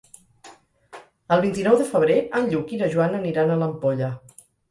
El vint-i-nou de febrer en Lluc i na Joana aniran a l'Ampolla.